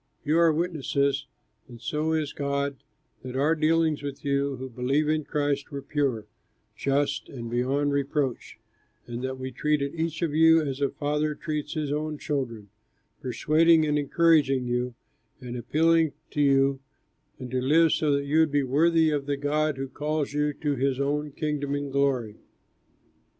You are witnesses, and so is God, that our dealings with you who believe in Christ were pure, just, and beyond reproach, and that we treated each of you as a father treats his own children, persuading and encouraging you, and appealing to you to live so that you would be worthy of the God who calls you to his own Kingdom and glory.